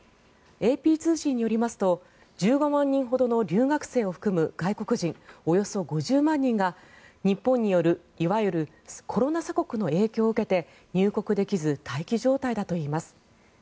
ＡＰ通信によりますと１５万人ほどの留学生を含む外国人およそ５０万人が日本によるいわゆるコロナ鎖国の影響を受けて入国できず待機状態だといいます。